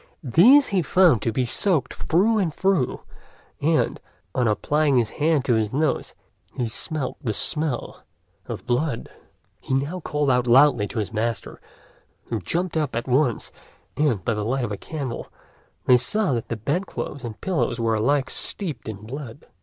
These he found to be soaked through and through, and, on applying his hand to his nose, he smelt the smell of blood. He now called out loudly to his master, who jumped up at once; and, by the light of a candle, they saw that the bed clothes and pillows were alike steeped in blood.